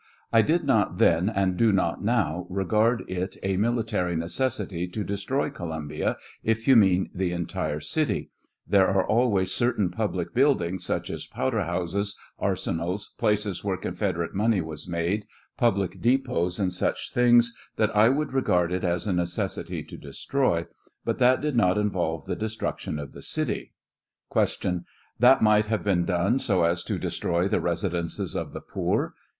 I did not then, and do not now, regard it a mili tary necessity to destroy Columbia, if you mean the entire city; there are always certain public buildings, such as powderhouses, arsenals, places where Confederate money was made, public depots, and such things, that I would regard it as a necessity to destroy; but that did not involve the destruction of the city. Q. That might have been done so as to destroy the residences of the poor?